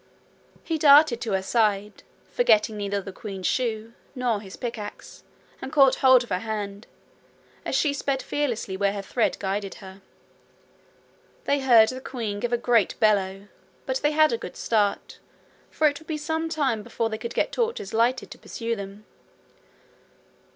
He darted to her side, forgetting neither the queen's shoe nor his pickaxe, and caught hold of her hand, as she sped fearlessly where her thread guided her. They heard the queen give a great bellow; but they had a good start, for it would be some time before they could get torches lighted to pursue them.